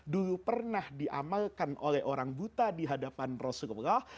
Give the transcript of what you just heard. dulu pernah diamalkan oleh orang buta di hadapan rasulullah